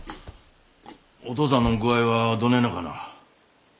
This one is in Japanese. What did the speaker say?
お父さんの具合はどねえなかな？